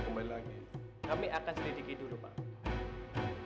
kembali lagi kami akan sedikit dulu banget dari saksi dan tersangka kalau barang bukti itu sedihnya